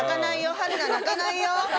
春菜泣かないよ。